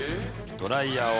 ドライヤーを。